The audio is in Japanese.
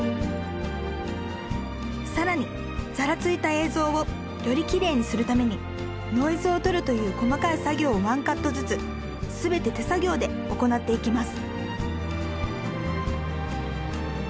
更にざらついた映像をよりきれいにするためにノイズを取るという細かい作業を１カットずつ全て手作業で行っていきます